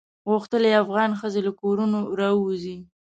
غوښتل یې افغان ښځې له کورونو راووزي.